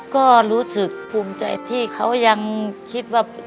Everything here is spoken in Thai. ก็รู้สึกภูมิใจที่เขายังคิดว่า